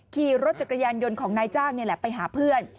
ขี่รถจักรยานยนต์ของนายจ้างนี่แหละไปหาเพื่อน